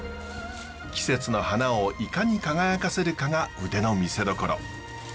季節の花をいかに輝かせるかが腕の見せどころ。